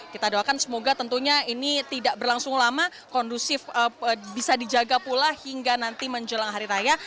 kita doakan semoga tentunya ini tidak berlangsung lama kondusif bisa dijaga pula hingga nanti menjelang hari raya